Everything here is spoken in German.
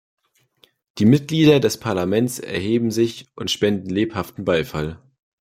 Die Mitglieder des Parlaments erheben sich und spenden lebhaften Beifall.